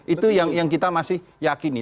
itu yang kita masih yakini